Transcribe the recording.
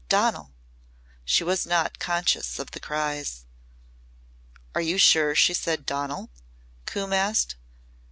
Donal!' She was not conscious of the cries." "Are you sure she said 'Donal'?" Coombe asked.